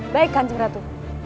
baik kanjeng ratu